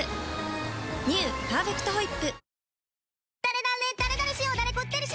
「パーフェクトホイップ」